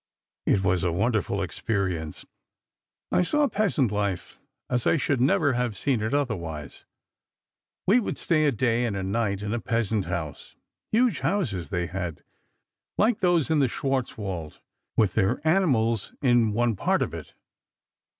"It was a wonderful experience. I saw peasant life as I should never have seen it otherwise. We would stay a day and a night in a peasant house—huge houses they had, like those in the Schwartzwald, with their animals in one part of it.